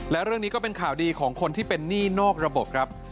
และเรื่องนี้ก็เป็นข่าวดีของคนที่เป็นหนี้นอกระบบครับ